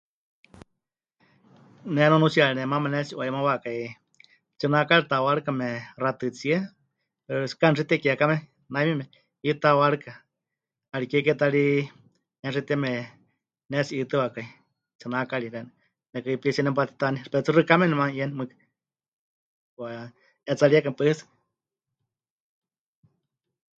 Ne nunuutsiyari nemaama pɨnetsi'uayemawakai tsináakari tawárɨkame xatɨtsíe, pero tsɨ ka'anuxitekiekame, naimime, pitawáarɨka, 'ariké ke ta ri 'enuxiteme pɨnetsi'itɨwakai tsináakari xeeníu, nekɨipítsie nepanatitaaní, pero tsɨ xɨkamé nemanu'ieni mɨɨkɨ, kwa... 'eetsaríekame pues.